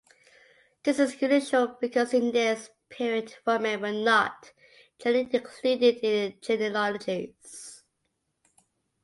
This is unusual because in this period women were not generally included in genealogies.